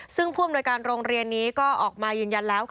ซึ่งผู้อำนวยการโรงเรียนนี้ก็ออกมายืนยันแล้ว